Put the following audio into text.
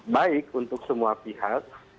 baik untuk semua pihak